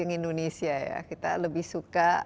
yang indonesia ya kita lebih suka